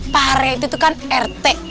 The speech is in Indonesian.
pak rete itu kan rt